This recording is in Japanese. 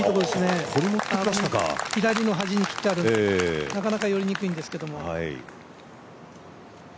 左の端に切ってある、なかなか寄りにくいんですけど。